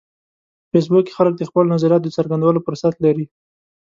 په فېسبوک کې خلک د خپلو نظریاتو د څرګندولو فرصت لري